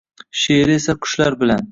She’ri esa qushlar bilan